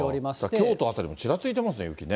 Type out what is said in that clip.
京都辺りもちらついていますね、雪ね。